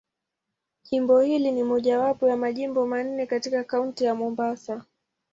Jimbo hili ni mojawapo ya Majimbo manne katika Kaunti ya Mombasa.